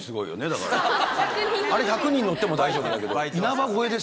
あれ「１００人乗っても大丈夫」だけど。